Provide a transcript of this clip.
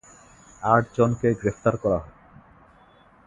আট জনকে গ্রেফতার করা হয়।